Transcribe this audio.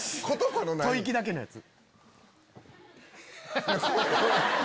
吐息だけのやつ。